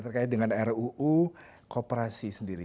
terkait dengan ruu kooperasi sendiri